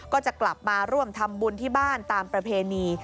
ก็จะกลับมาร่วมทำบุญที่บ้านตามประเพณี